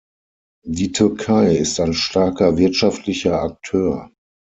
Die Türkei ist ein starker wirtschaftlicher Akteur.